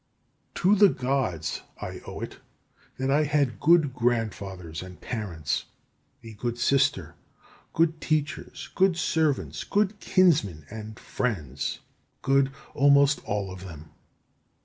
17. To the Gods I owe it that I had good grandfathers and parents, a good sister, good teachers, good servants, good kinsmen, and friends, good almost all of them.